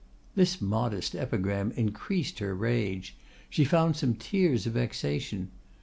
'—This modest epigram increased her rage; she found some tears of vexation.